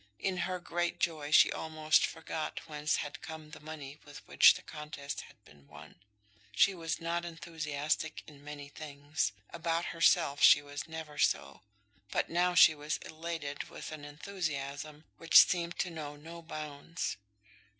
In her great joy she almost forgot whence had come the money with which the contest had been won. She was not enthusiastic in many things; about herself she was never so; but now she was elated with an enthusiasm which seemed to know no bounds.